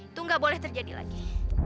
itu nggak boleh terjadi lagi